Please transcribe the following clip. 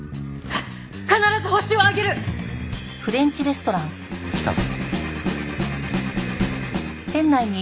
必ずホシを挙げる！来たぞ。